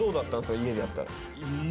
それ家でやったら。